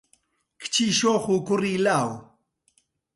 کچی شۆخ و کوڕی لاو